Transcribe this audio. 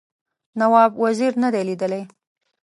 نواب وزیر نه دی لیدلی.